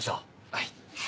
はい。